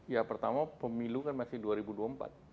ya pertama pemilu kan masih dua ribu dua puluh empat